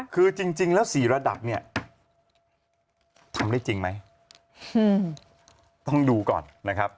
คือจริงแล้ว๔ระดับเนี่ยทำได้จริงไหมต้องดูก่อนนะครับ